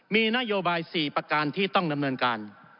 มีนโยบาย๔ประการที่ต้องดำเนินการ